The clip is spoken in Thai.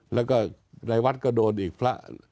แล้วก็ในวัดก็โดนอีกพระ